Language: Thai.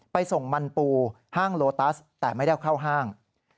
ไปส่งมันปูห้างโลตัสแต่ไม่ได้เอาเข้าห้าง